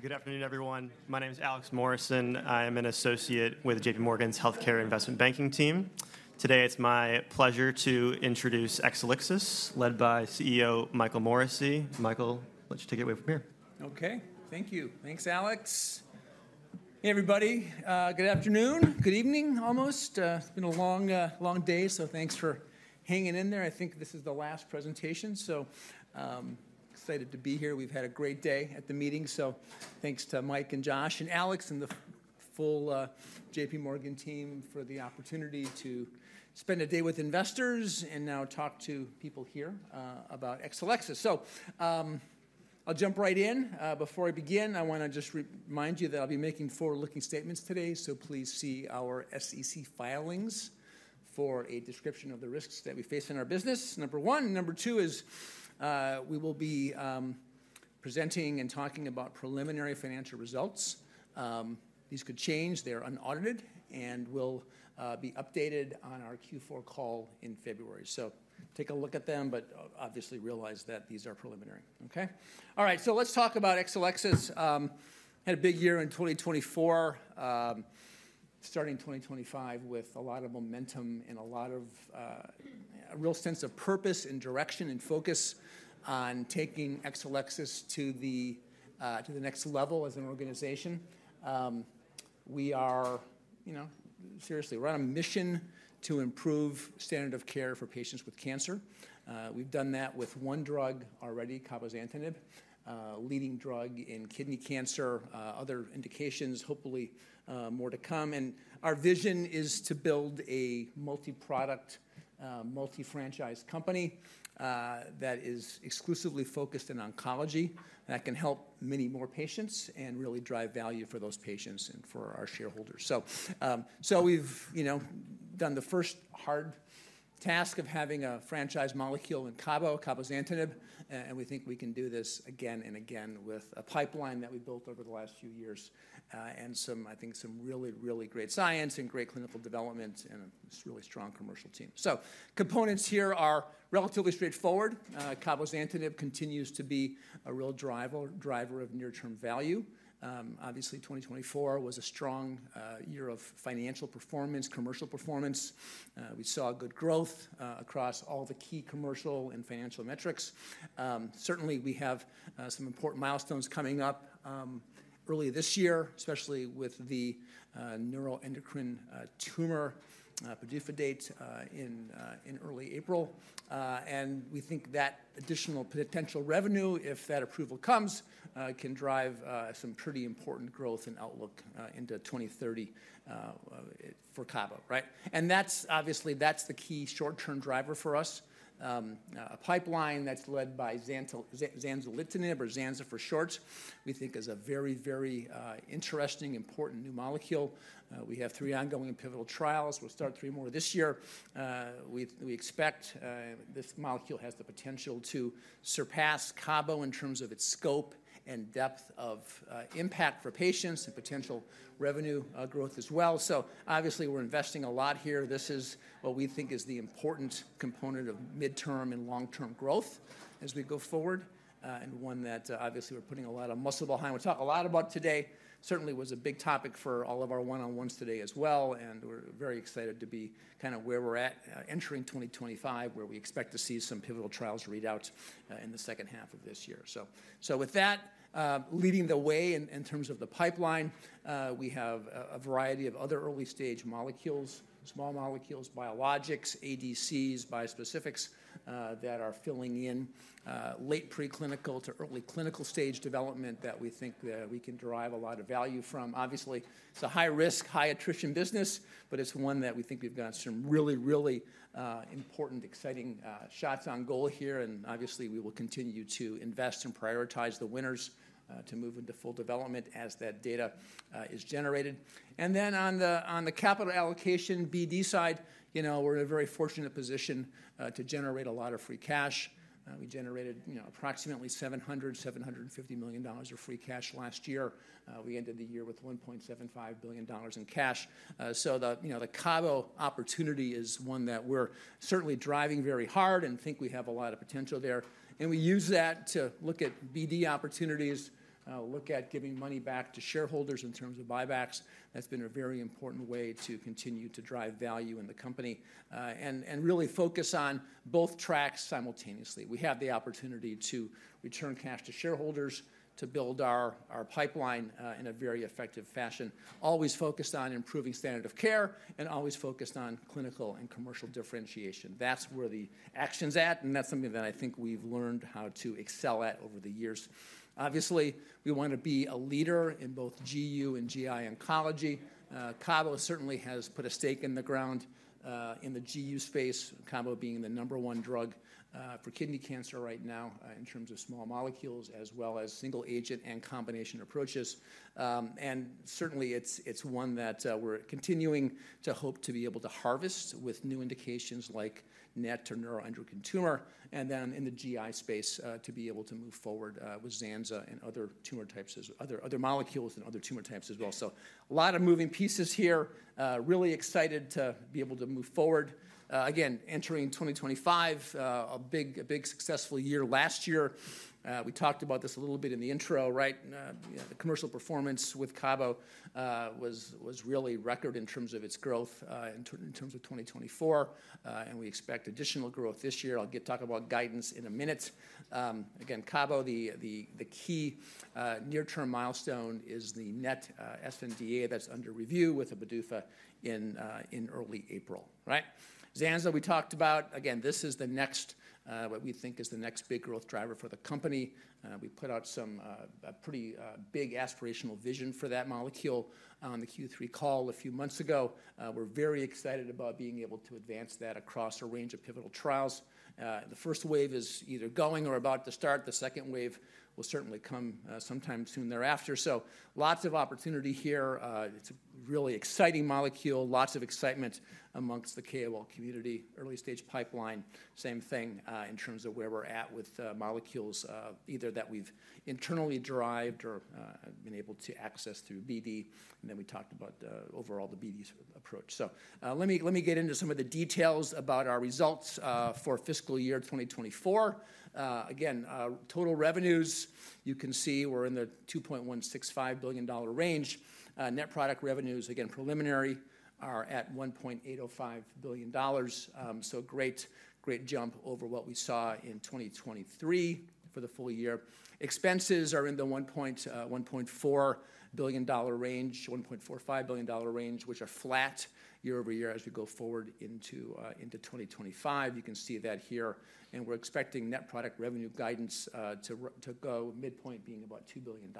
Good afternoon, everyone. My name is Alex Morrison. I am an associate with JPMorgan's Healthcare Investment Banking team. Today, it's my pleasure to introduce Exelixis, led by CEO Michael Morrissey. Michael, let you take it away from here. Okay, thank you. Thanks, Alex. Hey, everybody. Good afternoon. Good evening, almost. It's been a long, long day, so thanks for hanging in there. I think this is the last presentation, so excited to be here. We've had a great day at the meeting, so thanks to Mike and Josh and Alex and the full JPMorgan team for the opportunity to spend a day with investors and now talk to people here about Exelixis. So I'll jump right in. Before I begin, I want to just remind you that I'll be making forward-looking statements today, so please see our SEC filings for a description of the risks that we face in our business. Number one. Number two is we will be presenting and talking about preliminary financial results. These could change. They're unaudited and will be updated on our Q4 call in February. So take a look at them, but obviously realize that these are preliminary. Okay. All right. So let's talk about Exelixis. We had a big year in 2024, starting 2025 with a lot of momentum and a lot of a real sense of purpose and direction and focus on taking Exelixis to the next level as an organization. We are seriously on a mission to improve standard of care for patients with cancer. We've done that with one drug already, cabozantinib, a leading drug in kidney cancer. Other indications, hopefully more to come. And our vision is to build a multi-product, multi-franchise company that is exclusively focused in oncology that can help many more patients and really drive value for those patients and for our shareholders. So we've done the first hard task of having a franchise molecule in cabo— cabozantinib, and we think we can do this again and again with a pipeline that we built over the last few years and some, I think, some really, really great science and great clinical development and a really strong commercial team. So components here are relatively straightforward. Cabozantinib continues to be a real driver of near-term value. Obviously, 2024 was a strong year of financial performance, commercial performance. We saw good growth across all the key commercial and financial metrics. Certainly, we have some important milestones coming up early this year, especially with the neuroendocrine tumor PDUFA date in early April. And we think that additional potential revenue, if that approval comes, can drive some pretty important growth and outlook into 2030 for cabo. Right. And that's obviously the key short-term driver for us. A pipeline that's led by zanzalintinib, or zanza for short, we think is a very, very interesting, important new molecule. We have three ongoing and pivotal trials. We'll start three more this year. We expect this molecule has the potential to surpass cabo in terms of its scope and depth of impact for patients and potential revenue growth as well. So obviously, we're investing a lot here. This is what we think is the important component of midterm and long-term growth as we go forward and one that obviously we're putting a lot of muscle behind. We talk a lot about today. Certainly was a big topic for all of our one-on-ones today as well. And we're very excited to be kind of where we're at entering 2025, where we expect to see some pivotal trials readouts in the second half of this year. So with that, leading the way in terms of the pipeline, we have a variety of other early-stage molecules, small molecules, biologics, ADCs, bispecifics that are filling in late preclinical to early clinical stage development that we think that we can derive a lot of value from. Obviously, it's a high-risk, high-attrition business, but it's one that we think we've got some really, really important, exciting shots on goal here. And obviously, we will continue to invest and prioritize the winners to move into full development as that data is generated. And then on the capital allocation BD side, we're in a very fortunate position to generate a lot of free cash. We generated approximately $700 million-$750 million of free cash last year. We ended the year with $1.75 billion in cash. So the cabo opportunity is one that we're certainly driving very hard and think we have a lot of potential there. And we use that to look at BD opportunities, look at giving money back to shareholders in terms of buybacks. That's been a very important way to continue to drive value in the company and really focus on both tracks simultaneously. We have the opportunity to return cash to shareholders to build our pipeline in a very effective fashion, always focused on improving standard of care and always focused on clinical and commercial differentiation. That's where the action's at. And that's something that I think we've learned how to excel at over the years. Obviously, we want to be a leader in both GU and GI oncology. Cabo certainly has put a stake in the ground in the GU space, cabo being the number one drug for kidney cancer right now in terms of small molecules as well as single-agent and combination approaches. And certainly, it's one that we're continuing to hope to be able to harvest with new indications like NET or neuroendocrine tumor. And then in the GI space, to be able to move forward with zanza and other tumor types, other molecules and other tumor types as well. So a lot of moving pieces here. Really excited to be able to move forward. Again, entering 2025, a big successful year. Last year, we talked about this a little bit in the intro, right? The commercial performance with cabo was really record in terms of its growth in terms of 2024. And we expect additional growth this year. I'll talk about guidance in a minute. Again, cabo, the key near-term milestone is the NET sNDA that's under review with a PDUFA in early April. Right. Zanza, we talked about. Again, this is the next, what we think is the next big growth driver for the company. We put out some pretty big aspirational vision for that molecule on the Q3 call a few months ago. We're very excited about being able to advance that across a range of pivotal trials. The first wave is either going or about to start. The second wave will certainly come sometime soon thereafter. So lots of opportunity here. It's a really exciting molecule. Lots of excitement among the KOL community. Early-stage pipeline, same thing in terms of where we're at with molecules either that we've internally derived or been able to access through BD. And then we talked about overall the BD approach. So let me get into some of the details about our results for fiscal year 2024. Again, total revenues, you can see we're in the $2.165 billion range. Net product revenues, again, preliminary, are at $1.805 billion. So great jump over what we saw in 2023 for the full year. Expenses are in the $1.4 billion-$1.45 billion range, which are flat year-over-year as we go forward into 2025. You can see that here. And we're expecting net product revenue guidance to go, midpoint being about $2 billion.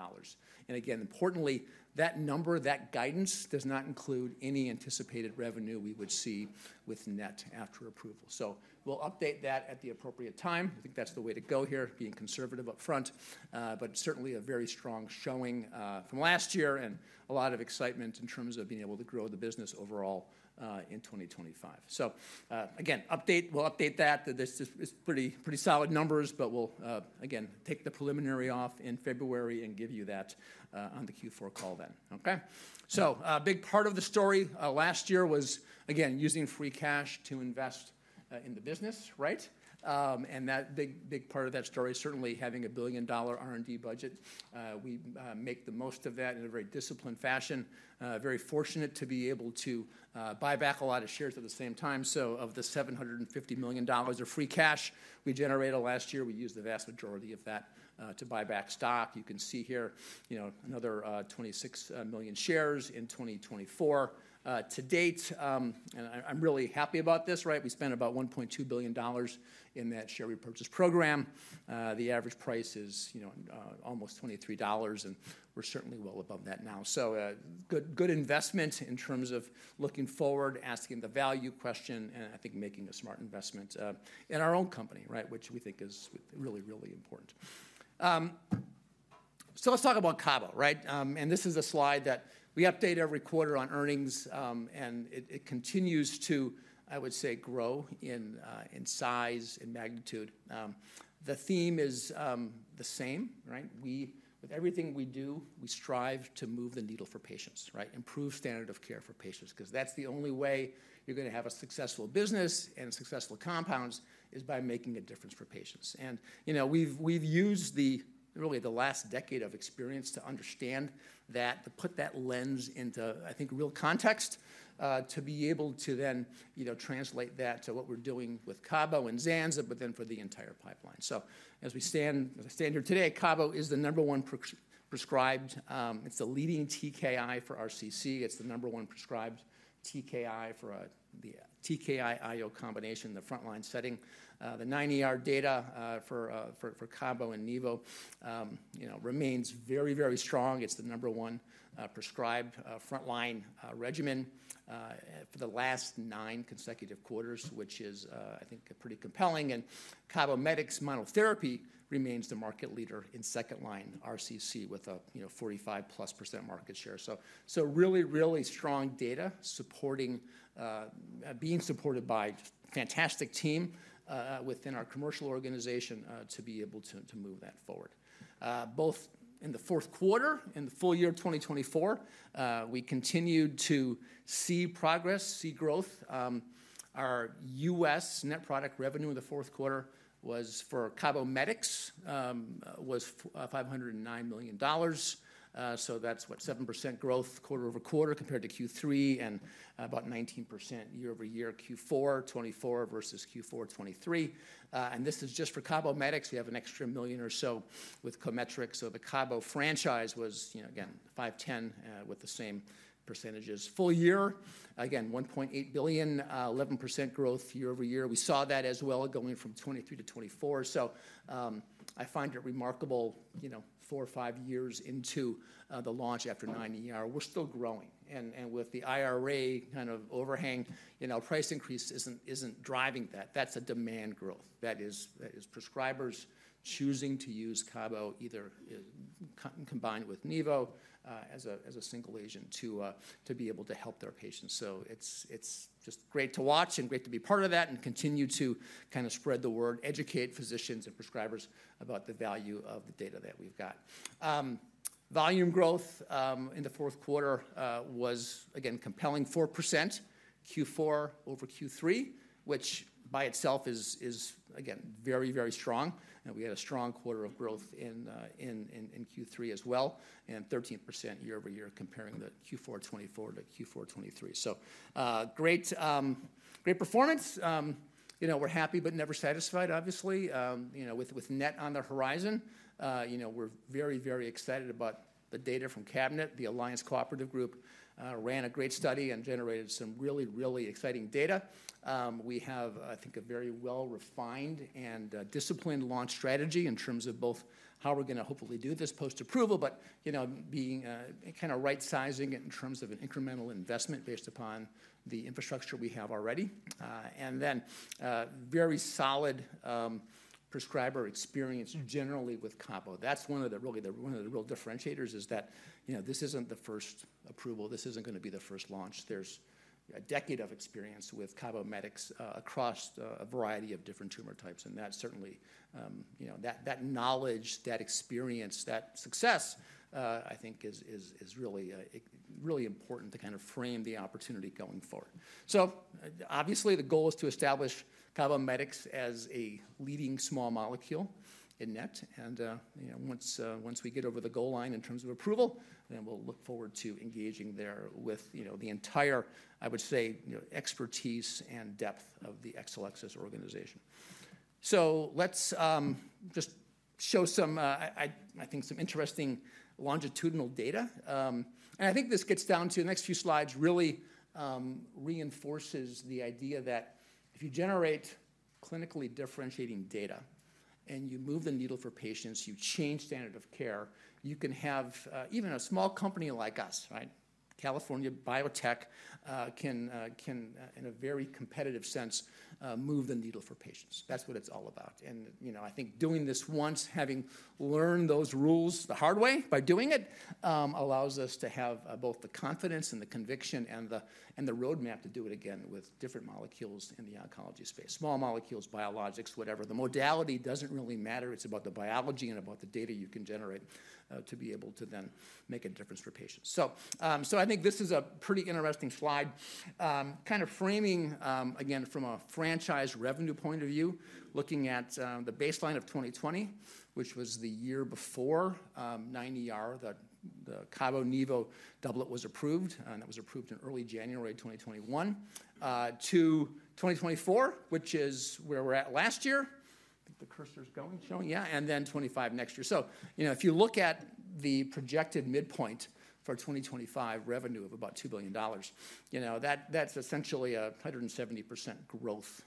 And again, importantly, that number, that guidance does not include any anticipated revenue we would see with zanza after approval. So we'll update that at the appropriate time. I think that's the way to go here, being conservative upfront, but certainly a very strong showing from last year and a lot of excitement in terms of being able to grow the business overall in 2025. So again, we'll update that. It's pretty solid numbers, but we'll again take the preliminary off in February and give you that on the Q4 call then. Okay. So a big part of the story last year was, again, using free cash to invest in the business, right? And that big part of that story is certainly having a billion-dollar R&D budget. We make the most of that in a very disciplined fashion. Very fortunate to be able to buy back a lot of shares at the same time. So of the $750 million of free cash we generated last year, we used the vast majority of that to buy back stock. You can see here another 26 million shares in 2024 to date. And I'm really happy about this, right? We spent about $1.2 billion in that share repurchase program. The average price is almost $23, and we're certainly well above that now. So good investment in terms of looking forward, asking the value question, and I think making a smart investment in our own company, right, which we think is really, really important. So let's talk about cabo, right? And this is a slide that we update every quarter on earnings, and it continues to, I would say, grow in size and magnitude. The theme is the same, right? With everything we do, we strive to move the needle for patients, right? Improve standard of care for patients, because that's the only way you're going to have a successful business and successful compounds is by making a difference for patients. And we've used really the last decade of experience to understand that, to put that lens into, I think, real context, to be able to then translate that to what we're doing with cabo and zanza, but then for the entire pipeline. So as we stand here today, Cabometyx is the number one prescribed. It's the leading TKI for RCC. It's the number one prescribed TKI for the TKI-IO combination, the frontline setting. The 9ER data for Cabometyx and nivolumab remains very, very strong. It's the number one prescribed frontline regimen for the last nine consecutive quarters, which is, I think, pretty compelling. And Cabometyx monotherapy remains the market leader in 2L RCC with a 45%+ market share. So really, really strong data supporting, being supported by a fantastic team within our commercial organization to be able to move that forward. Both in the fourth quarter and in the full year of 2024, we continued to see progress, see growth. Our U.S. net product revenue in the fourth quarter for Cabometyx was $509 million. So that's what, 7% growth quarter-over-quarter compared to Q3 and about 19% year-over-year, Q4 2024 versus Q4 2023. And this is just for Cabometyx. We have an extra $1 million or so with Cometriq. So the Cabometyx franchise was, again, $510 million with the same percentages. Full year, again, $1.8 billion, 11% growth year-over-year. We saw that as well going from 2023 to 2024. So I find it remarkable four or five years into the launch after CheckMate 9ER. We're still growing. And with the IRA kind of overhang, price increase isn't driving that. That's a demand growth. That is prescribers choosing to use Cabometyx either combined with nivo as a single agent to be able to help their patients. So it's just great to watch and great to be part of that and continue to kind of spread the word, educate physicians and prescribers about the value of the data that we've got. Volume growth in the fourth quarter was, again, compelling 4% Q4 over Q3, which by itself is, again, very, very strong. And we had a strong quarter of growth in Q3 as well and 13% year-over-year comparing the Q4 2024 to Q4 2023. So great performance. We're happy but never satisfied, obviously, with NET on the horizon. We're very, very excited about the data from CABINET. The Alliance Cooperative Group ran a great study and generated some really, really exciting data. We have, I think, a very well-refined and disciplined launch strategy in terms of both how we're going to hopefully do this post-approval, but being kind of right-sizing it in terms of an incremental investment based upon the infrastructure we have already. And then very solid prescriber experience generally with Cabometyx. That's one of the real differentiators is that this isn't the first approval. This isn't going to be the first launch. There's a decade of experience with Cabometyx across a variety of different tumor types. And that certainly, that knowledge, that experience, that success, I think, is really important to kind of frame the opportunity going forward. So obviously, the goal is to establish Cabometyx as a leading small molecule in NET. And once we get over the goal line in terms of approval, then we'll look forward to engaging there with the entire, I would say, expertise and depth of the Exelixis organization. So let's just show some, I think, some interesting longitudinal data. And I think this gets down to the next few slides really reinforces the idea that if you generate clinically differentiating data and you move the needle for patients, you change standard of care, you can have even a small company like us, right? California biotech can, in a very competitive sense, move the needle for patients. That's what it's all about. And I think doing this once, having learned those rules the hard way by doing it, allows us to have both the confidence and the conviction and the roadmap to do it again with different molecules in the oncology space. Small molecules, biologics, whatever. The modality doesn't really matter. It's about the biology and about the data you can generate to be able to then make a difference for patients. So I think this is a pretty interesting slide, kind of framing, again, from a franchise revenue point of view, looking at the baseline of 2020, which was the year before CheckMate 9ER, the Cabometyx-nivo doublet was approved, and that was approved in early January 2021, to 2024, which is where we're at last year. I think the cursor's going, showing, yeah, and then 2025 next year. So if you look at the projected midpoint for 2025 revenue of about $2 billion, that's essentially a 170% growth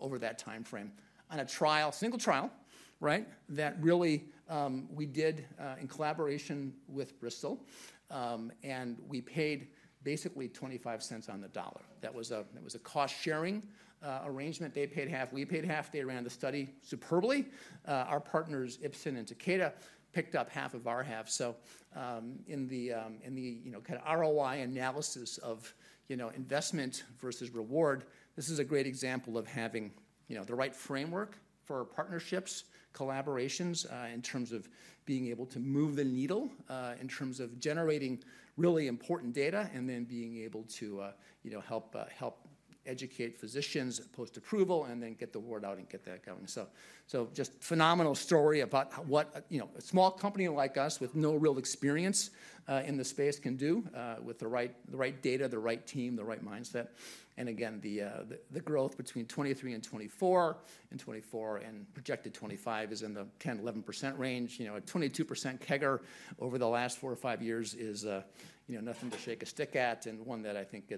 over that timeframe on a trial, single trial, right? That really we did in collaboration with Bristol, and we paid basically $0.25 on the dollar. That was a cost-sharing arrangement. They paid half, we paid half. They ran the study superbly. Our partners, Ipsen and Takeda, picked up half of our half. So in the kind of ROI analysis of investment versus reward, this is a great example of having the right framework for partnerships, collaborations in terms of being able to move the needle in terms of generating really important data and then being able to help educate physicians post-approval and then get the word out and get that going. So just phenomenal story about what a small company like us with no real experience in the space can do with the right data, the right team, the right mindset. And again, the growth between 2023 and 2024 and 2024 and projected 2025 is in the 10%-11% range. A 22% CAGR over the last four or five years is nothing to shake a stick at and one that I think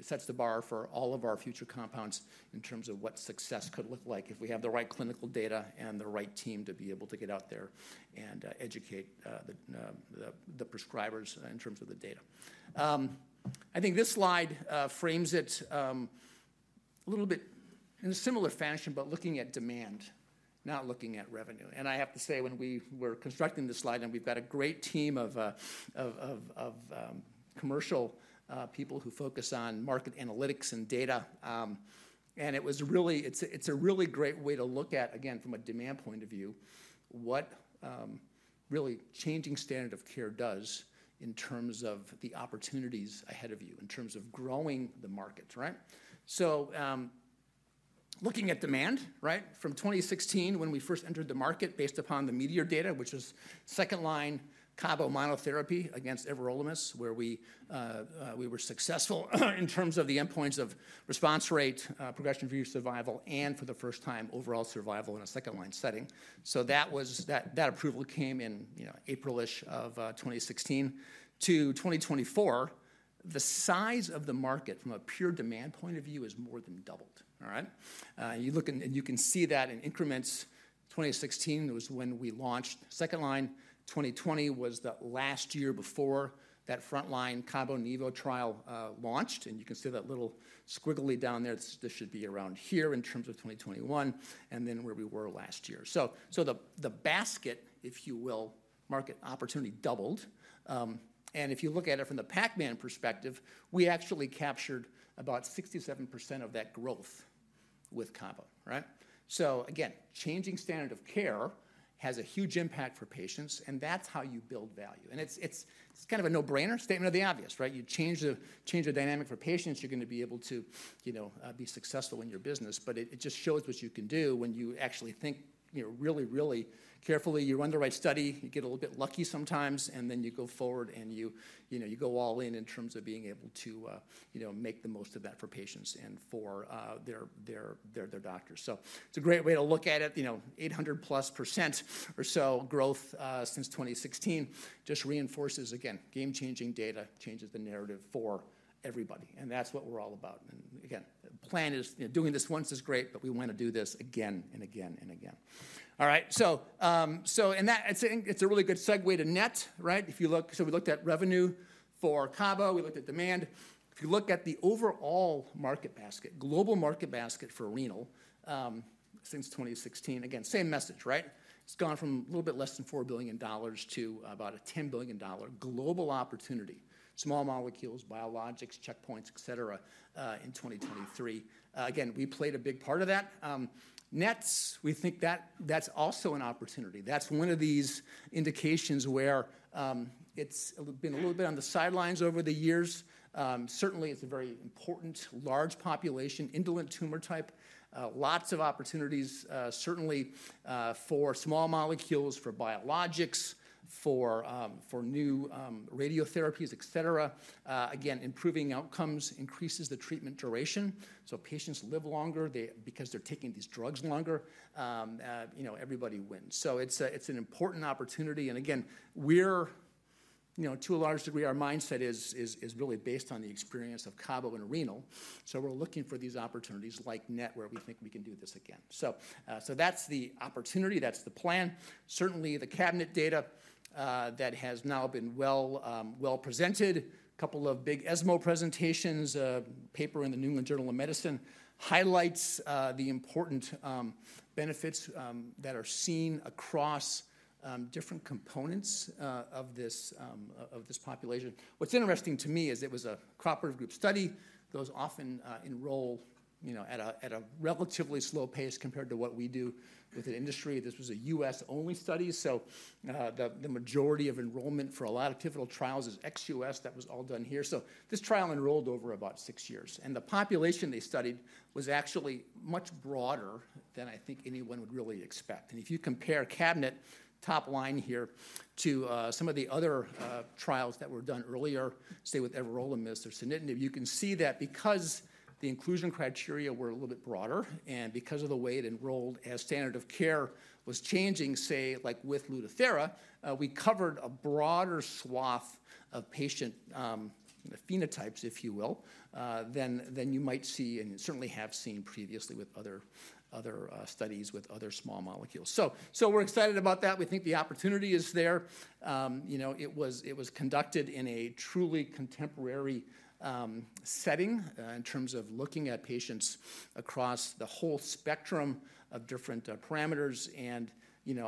sets the bar for all of our future compounds in terms of what success could look like if we have the right clinical data and the right team to be able to get out there and educate the prescribers in terms of the data. I think this slide frames it a little bit in a similar fashion, but looking at demand, not looking at revenue. I have to say, when we were constructing this slide, and we've got a great team of commercial people who focus on market analytics and data. It was really, it's a really great way to look at, again, from a demand point of view, what really changing standard of care does in terms of the opportunities ahead of you in terms of growing the markets, right? Looking at demand, right, from 2016 when we first entered the market based upon the METEOR data, which was 2L Cabometyx monotherapy against everolimus, where we were successful in terms of the endpoints of response rate, progression-free survival, and for the first time, overall survival in a second-line setting. That approval came in April-ish of 2016. To 2024, the size of the market from a pure demand point of view has more than doubled, all right? You can see that in increments. 2016 was when we launched. Second-line, 2020 was the last year before that frontline Cabometyx-nivo trial launched. You can see that little squiggly down there. This should be around here in terms of 2021 and then where we were last year. The basket, if you will, market opportunity doubled. If you look at it from the Pac-Man perspective, we actually captured about 67% of that growth with Cabo, right? Again, changing standard of care has a huge impact for patients, and that's how you build value. It's kind of a no-brainer, statement of the obvious, right? You change the dynamic for patients, you're going to be able to be successful in your business, but it just shows what you can do when you actually think really, really carefully. You run the right study, you get a little bit lucky sometimes, and then you go forward and you go all in in terms of being able to make the most of that for patients and for their doctors. So it's a great way to look at it. 800%+ or so growth since 2016 just reinforces, again, game-changing data changes the narrative for everybody. And that's what we're all about. And again, the plan is doing this once is great, but we want to do this again and again and again. All right. So it's a really good segue to NET, right? So we looked at revenue for Cabo, we looked at demand. If you look at the overall market basket, global market basket for renal since 2016, again, same message, right? It's gone from a little bit less than $4 billion to about a $10 billion global opportunity, small molecules, biologics, checkpoints, etc., in 2023. Again, we played a big part of that. NETs, we think that that's also an opportunity. That's one of these indications where it's been a little bit on the sidelines over the years. Certainly, it's a very important large population, indolent tumor type, lots of opportunities certainly for small molecules, for biologics, for new radiotherapies, etc. Again, improving outcomes increases the treatment duration. So patients live longer because they're taking these drugs longer. Everybody wins. So it's an important opportunity, and again, to a large degree, our mindset is really based on the experience of Cabo and renal, so we're looking for these opportunities like NET where we think we can do this again, so that's the opportunity, that's the plan. Certainly, the CABINET data that has now been well presented, a couple of big ESMO presentations, a paper in The New England Journal of Medicine highlights the important benefits that are seen across different components of this population. What's interesting to me is it was a cooperative group study. Those often enroll at a relatively slow pace compared to what we do with an industry. This was a U.S.-only study. So the majority of enrollment for a lot of pivotal trials is ex-U.S. That was all done here. So this trial enrolled over about six years. The population they studied was actually much broader than I think anyone would really expect. If you compare CABINET top line here to some of the other trials that were done earlier, say with everolimus or sunitinib, you can see that because the inclusion criteria were a little bit broader and because of the way it enrolled as standard of care was changing, say, like with Lutathera, we covered a broader swath of patient phenotypes, if you will, than you might see and certainly have seen previously with other studies with other small molecules, so we're excited about that. We think the opportunity is there. It was conducted in a truly contemporary setting in terms of looking at patients across the whole spectrum of different parameters, and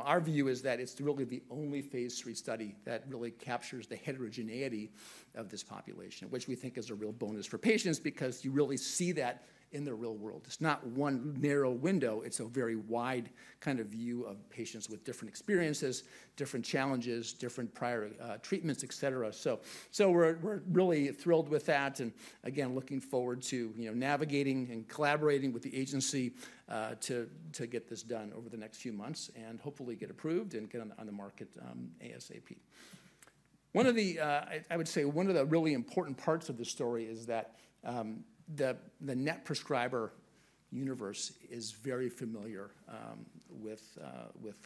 our view is that it's really the only phase III study that really captures the heterogeneity of this population, which we think is a real bonus for patients because you really see that in the real world. It's not one narrow window. It's a very wide kind of view of patients with different experiences, different challenges, different prior treatments, etc. So we're really thrilled with that. And again, looking forward to navigating and collaborating with the agency to get this done over the next few months and hopefully get approved and get on the market ASAP. I would say one of the really important parts of the story is that the NET prescriber universe is very familiar with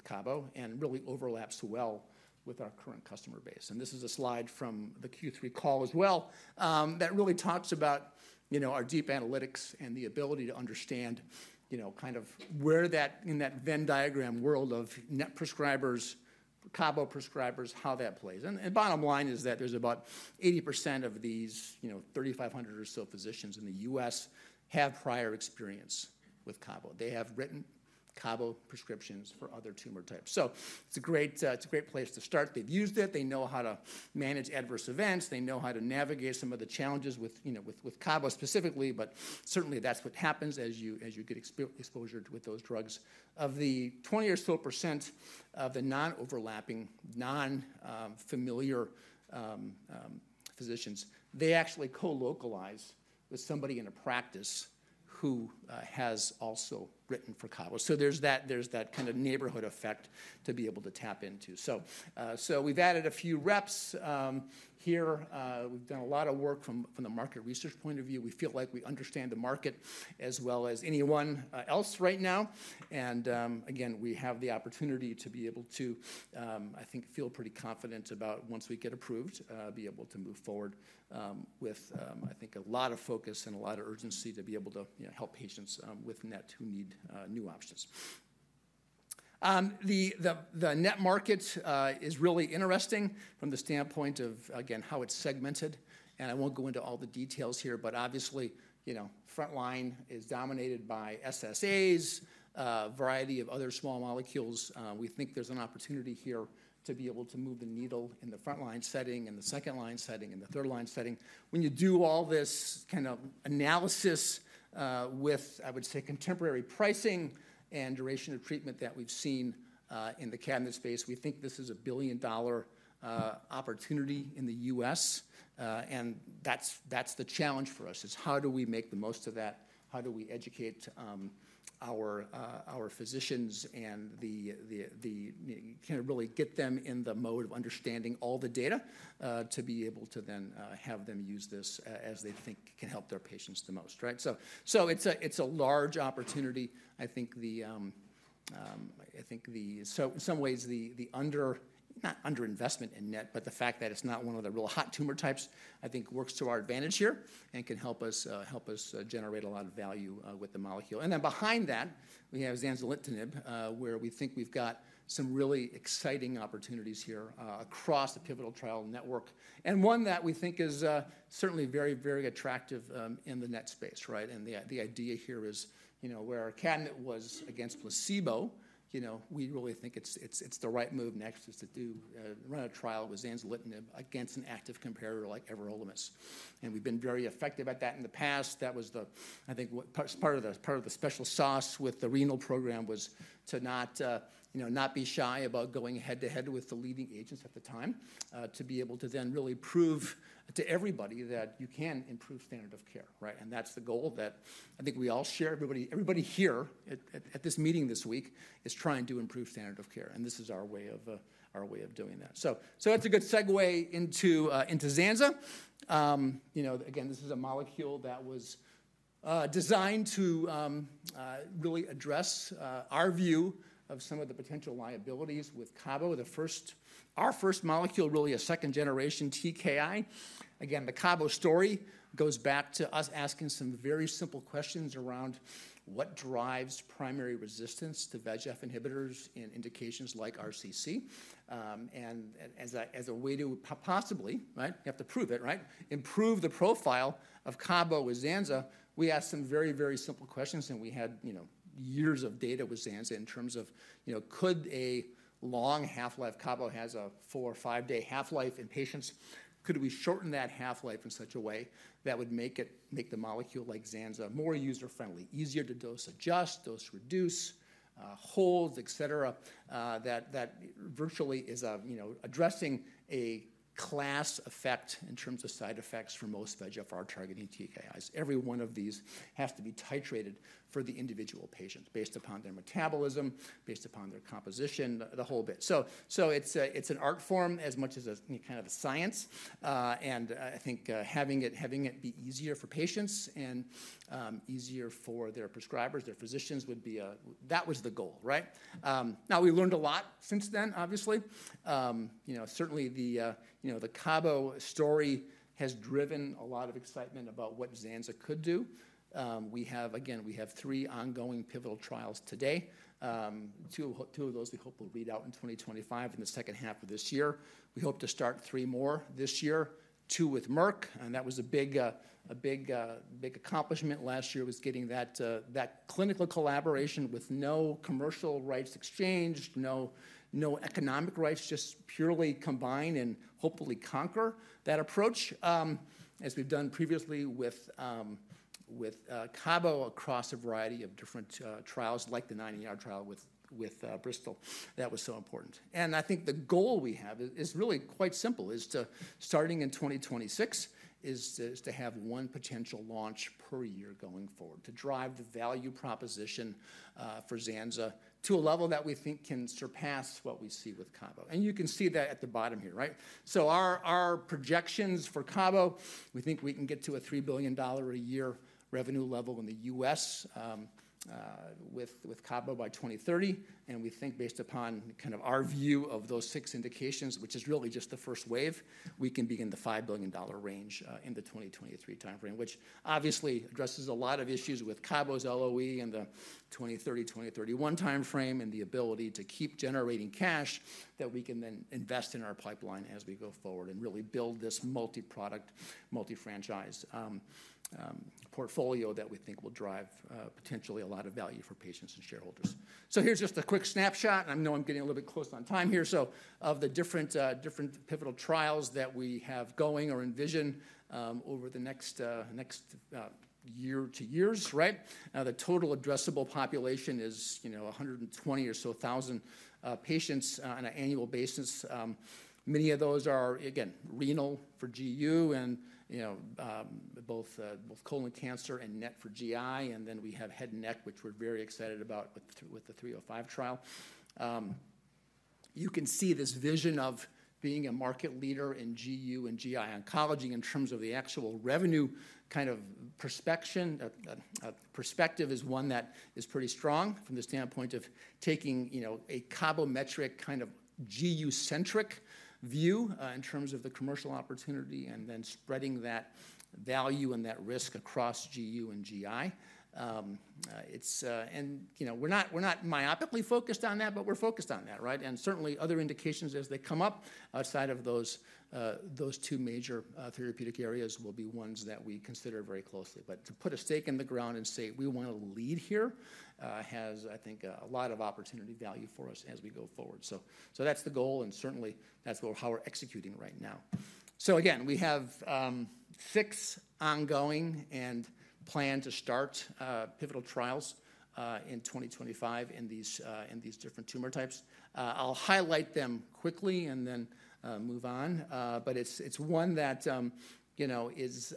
Cabo and really overlaps well with our current customer base. And this is a slide from the Q3 call as well that really talks about our deep analytics and the ability to understand kind of where that in that Venn diagram world of NET prescribers, Cabo prescribers, how that plays. And bottom line is that there's about 80% of these 3,500 or so physicians in the U.S. Have prior experience with Cabo. They have written Cabo prescriptions for other tumor types. So it's a great place to start. They've used it. They know how to manage adverse events. They know how to navigate some of the challenges with Cabo specifically, but certainly that's what happens as you get exposure with those drugs. Of the 20% or so of the non-overlapping, non-familiar physicians, they actually co-localize with somebody in a practice who has also written for Cabo. So there's that kind of neighborhood effect to be able to tap into. So we've added a few reps here. We've done a lot of work from the market research point of view. We feel like we understand the market as well as anyone else right now. And again, we have the opportunity to be able to, I think, feel pretty confident about once we get approved, be able to move forward with, I think, a lot of focus and a lot of urgency to be able to help patients with NET who need new options. The NET market is really interesting from the standpoint of, again, how it's segmented. And I won't go into all the details here, but obviously, frontline is dominated by SSAs, a variety of other small molecules. We think there's an opportunity here to be able to move the needle in the frontline setting, in the second-line setting, in the third-line setting. When you do all this kind of analysis with, I would say, contemporary pricing and duration of treatment that we've seen in the CABINET space, we think this is a billion-dollar opportunity in the U.S. That's the challenge for us. It's how do we make the most of that? How do we educate our physicians and kind of really get them in the mode of understanding all the data to be able to then have them use this as they think can help their patients the most, right? So it's a large opportunity. I think the so in some ways, the under-investment in NET, but the fact that it's not one of the real hot tumor types, I think works to our advantage here and can help us generate a lot of value with the molecule. And then behind that, we have zanzalintinib, where we think we've got some really exciting opportunities here across the pivotal trial network and one that we think is certainly very, very attractive in the NET space, right? And the idea here is where our CABINET was against placebo, we really think it's the right move next is to run a trial with zanzalintinib against an active comparator like everolimus. And we've been very effective at that in the past. That was the, I think, part of the special sauce with the renal program was to not be shy about going head-to-head with the leading agents at the time to be able to then really prove to everybody that you can improve standard of care, right? And that's the goal that I think we all share. Everybody here at this meeting this week is trying to improve standard of care. And this is our way of doing that. So that's a good segue into zanza. Again, this is a molecule that was designed to really address our view of some of the potential liabilities with Cabo. Our first molecule, really a second generation TKI. Again, the Cabo story goes back to us asking some very simple questions around what drives primary resistance to VEGF inhibitors in indications like RCC and as a way to possibly, right? You have to prove it, right? Improve the profile of Cabo with zanza. We asked some very, very simple questions, and we had years of data with zanza in terms of could a long half-life Cabo has a four- or five-day half-life in patients. Could we shorten that half-life in such a way that would make the molecule like zanza more user-friendly, easier to dose-adjust, dose-reduce, hold, etc.? That virtually is addressing a class effect in terms of side effects for most VEGFR-targeting TKIs. Every one of these has to be titrated for the individual patient based upon their metabolism, based upon their composition, the whole bit. So it's an art form as much as kind of a science. And I think having it be easier for patients and easier for their prescribers, their physicians would be a, that was the goal, right? Now, we learned a lot since then, obviously. Certainly, the Cabo story has driven a lot of excitement about what zanza could do. Again, we have three ongoing pivotal trials today. Two of those we hope will read out in 2025 in the second half of this year. We hope to start three more this year, two with Merck. And that was a big accomplishment last year was getting that clinical collaboration with no commercial rights exchanged, no economic rights, just purely combine and hopefully conquer that approach as we've done previously with Cabo across a variety of different trials like the 9ER trial with Bristol. That was so important. I think the goal we have is really quite simple, starting in 2026, to have one potential launch per year going forward to drive the value proposition for zanza to a level that we think can surpass what we see with Cabo. You can see that at the bottom here, right? Our projections for Cabo, we think we can get to a $3 billion a year revenue level in the U.S. with Cabo by 2030. We think based upon kind of our view of those six indications, which is really just the first wave, we can begin the $5 billion range in the 2023 timeframe, which obviously addresses a lot of issues with Cabo's LOE and the 2030, 2031 timeframe and the ability to keep generating cash that we can then invest in our pipeline as we go forward and really build this multi-product, multi-franchise portfolio that we think will drive potentially a lot of value for patients and shareholders. Here's just a quick snapshot. I know I'm getting a little bit close on time here. Of the different pivotal trials that we have going or envision over the next year to years, right? The total addressable population is 120 or so thousand patients on an annual basis. Many of those are, again, renal for GU and both colon cancer and NET for GI, and then we have head and neck, which we're very excited about with the STELLAR-305 trial. You can see this vision of being a market leader in GU and GI oncology in terms of the actual revenue kind of perspective is one that is pretty strong from the standpoint of taking a Cabometyx kind of GU-centric view in terms of the commercial opportunity and then spreading that value and that risk across GU and GI, and we're not myopically focused on that, but we're focused on that, right? And certainly other indications as they come up outside of those two major therapeutic areas will be ones that we consider very closely. But to put a stake in the ground and say, "We want to lead here," has, I think, a lot of opportunity value for us as we go forward. So that's the goal, and certainly that's how we're executing right now. So again, we have six ongoing and plan to start pivotal trials in 2025 in these different tumor types. I'll highlight them quickly and then move on, but it's one that is,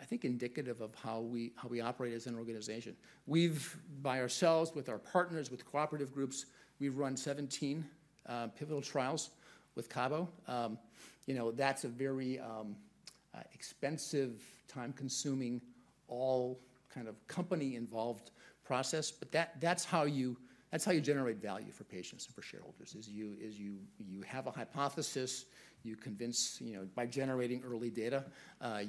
I think, indicative of how we operate as an organization. We've, by ourselves, with our partners, with cooperative groups, we've run 17 pivotal trials with Cabo. That's a very expensive, time-consuming, all kind of company-involved process, but that's how you generate value for patients and for shareholders. As you have a hypothesis, you convince by generating early data,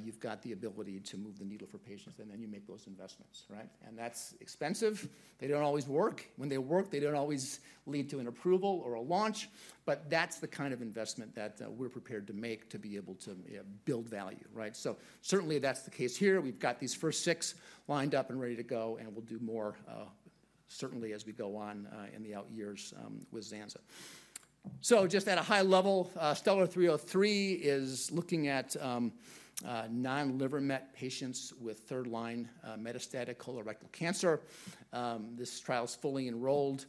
you've got the ability to move the needle for patients, and then you make those investments, right? That's expensive. They don't always work. When they work, they don't always lead to an approval or a launch, but that's the kind of investment that we're prepared to make to be able to build value, right? So certainly that's the case here. We've got these first six lined up and ready to go, and we'll do more certainly as we go on in the out years with zanza. So just at a high level, STELLAR-303 is looking at non-liver met patients with third-line metastatic colorectal cancer. This trial is fully enrolled.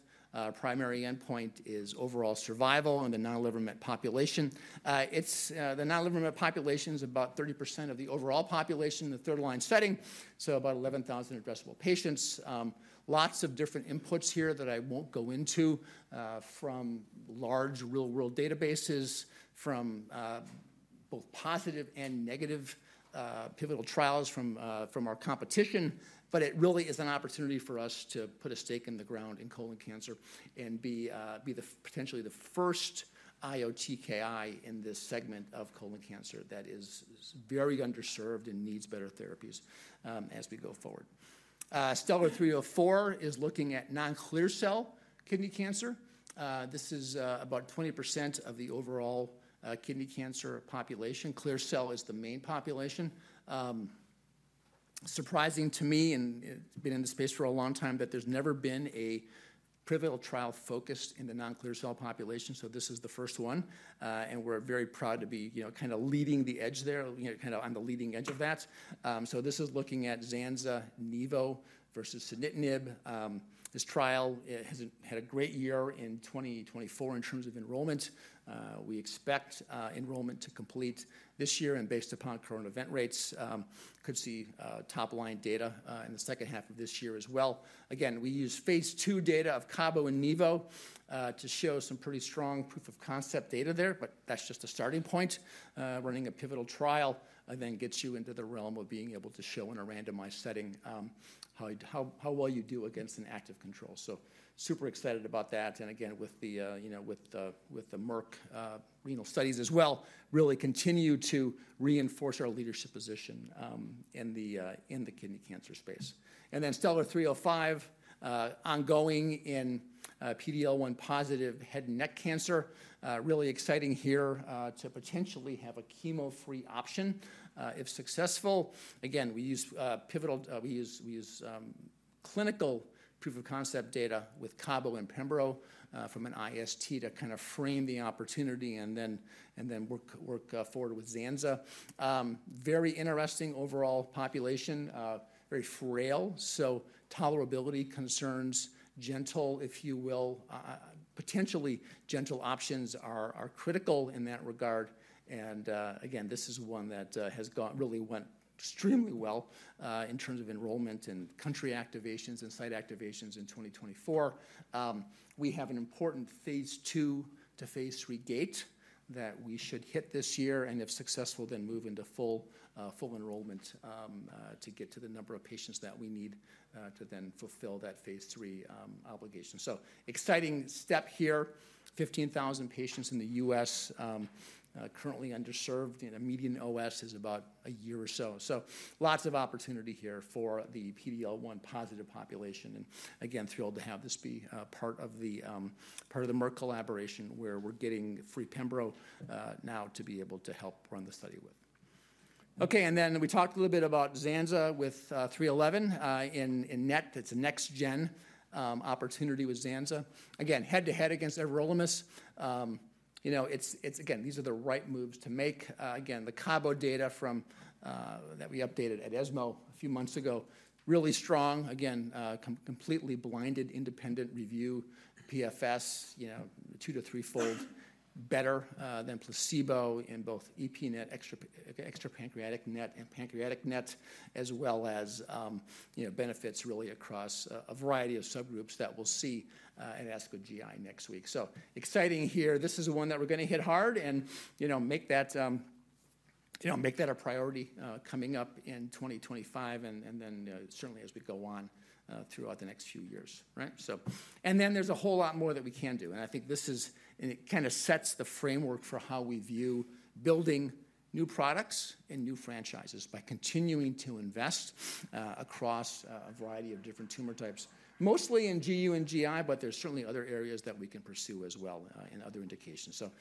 Primary endpoint is overall survival in the non-liver met population. The non-liver met population is about 30% of the overall population in the third-line setting, so about 11,000 addressable patients. Lots of different inputs here that I won't go into from large real-world databases, from both positive and negative pivotal trials from our competition, but it really is an opportunity for us to put a stake in the ground in colon cancer and be potentially the first IO-TKI in this segment of colon cancer that is very underserved and needs better therapies as we go forward. STELLAR-304 is looking at non-clear cell kidney cancer. This is about 20% of the overall kidney cancer population. Clear cell is the main population. Surprising to me, and it's been in the space for a long time, that there's never been a pivotal trial focused in the non-clear cell population, so this is the first one, and we're very proud to be kind of leading the edge there, kind of on the leading edge of that. So this is looking at zanza-nivo versus sunitinib. This trial has had a great year in 2024 in terms of enrollment. We expect enrollment to complete this year and based upon current event rates, could see top-line data in the second half of this year as well. Again, we use phase II data of Cabo and nivo to show some pretty strong proof of concept data there, but that's just a starting point. Running a pivotal trial then gets you into the realm of being able to show in a randomized setting how well you do against an active control. So super excited about that. And again, with the Merck renal studies as well, really continue to reinforce our leadership position in the kidney cancer space. And then STELLAR-305, ongoing in PD-L1+ head and neck cancer. Really exciting here to potentially have a chemo-free option if successful. Again, we use clinical proof of concept data with cabozantinib and pembro from an IST to kind of frame the opportunity and then work forward with zanza. Very interesting overall population, very frail, so tolerability concerns, gentle, if you will, potentially gentle options are critical in that regard. And again, this is one that has really went extremely well in terms of enrollment and country activations and site activations in 2024. We have an important phase II to phase III gate that we should hit this year. And if successful, then move into full enrollment to get to the number of patients that we need to then fulfill that phase III obligation. So exciting step here. 15,000 patients in the U.S. currently underserved. The median OS is about a year or so. So lots of opportunity here for the PD-L1+ population. And again, thrilled to have this be part of the Merck collaboration where we're getting free pembro now to be able to help run the study with. Okay, and then we talked a little bit about zanza with STELLAR-311 in NET. It's a next-gen opportunity with zanza. Again, head-to-head against everolimus. Again, these are the right moves to make. Again, the Cabo data that we updated at ESMO a few months ago, really strong. Again, completely blinded independent review, PFS two- to three-fold better than placebo in both EP-NET, extrapancreatic NET, and pancreatic NET, as well as benefits really across a variety of subgroups that we'll see at ASCO GI next week. So exciting here. This is one that we're going to hit hard and make that a priority coming up in 2025 and then certainly as we go on throughout the next few years, right? And then there's a whole lot more that we can do. And I think this kind of sets the framework for how we view building new products and new franchises by continuing to invest across a variety of different tumor types, mostly in GU and GI, but there's certainly other areas that we can pursue as well in other indications. So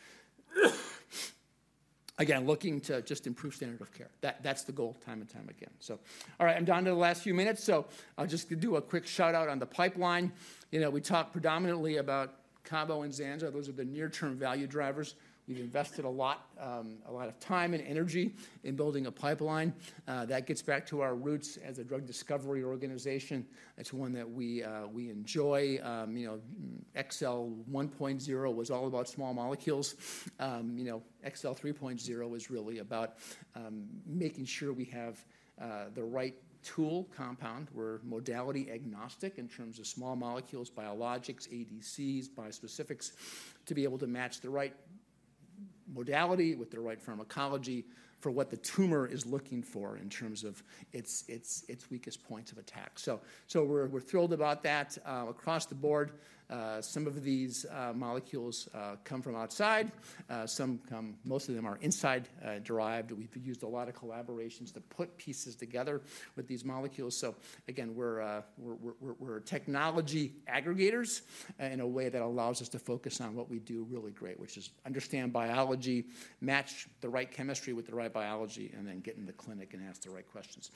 again, looking to just improve standard of care. That's the goal time and time again. So all right, I'm down to the last few minutes. So I'll just do a quick shout-out on the pipeline. We talked predominantly about Cabo and zanza. Those are the near-term value drivers. We've invested a lot of time and energy in building a pipeline. That gets back to our roots as a drug discovery organization. That's one that we enjoy. XL 1.0 was all about small molecules. XL 3.0 was really about making sure we have the right tool compound. We're modality agnostic in terms of small molecules, biologics, ADCs, bispecifics to be able to match the right modality with the right pharmacology for what the tumor is looking for in terms of its weakest points of attack. So we're thrilled about that across the board. Some of these molecules come from outside. Most of them are inside-derived. We've used a lot of collaborations to put pieces together with these molecules. So again, we're technology aggregators in a way that allows us to focus on what we do really great, which is understand biology, match the right chemistry with the right biology, and then get in the clinic and ask the right questions.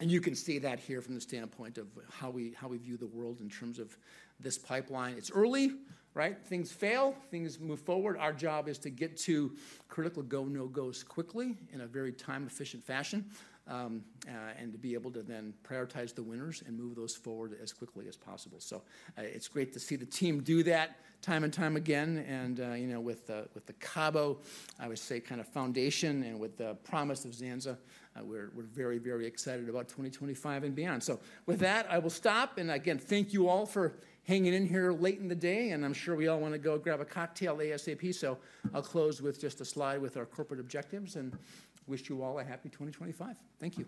And you can see that here from the standpoint of how we view the world in terms of this pipeline. It's early, right? Things fail, things move forward. Our job is to get to critical go-no-goes quickly in a very time-efficient fashion and to be able to then prioritize the winners and move those forward as quickly as possible. So it's great to see the team do that time and time again. And with the Cabo, I would say kind of foundation and with the promise of zanza, we're very, very excited about 2025 and beyond. So with that, I will stop. And again, thank you all for hanging in here late in the day. And I'm sure we all want to go grab a cocktail ASAP. So I'll close with just a slide with our corporate objectives and wish you all a happy 2025. Thank you.